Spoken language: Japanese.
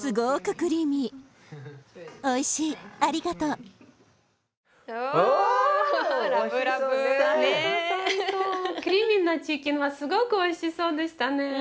クリーミーなチキンはすごくおいしそうでしたね。